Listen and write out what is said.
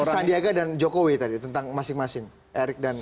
sandiaga dan jokowi tadi tentang masing masing erick dan